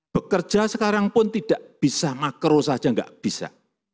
bekerja sekarang pun tidak bisa makro saja tidak bisa